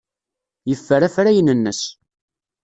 Yeffer afrayen-nnes.